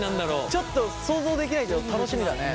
ちょっと想像できないけど楽しみだね。